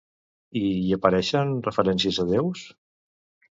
I hi apareixen referències a déus?